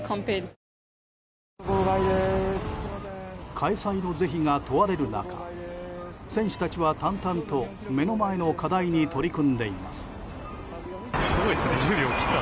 開催の是非が問われる中選手たちは淡々と目の前の課題に取り組んでいます。